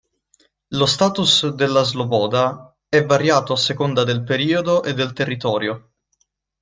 Lo status della sloboda è variato a seconda del periodo e del territorio.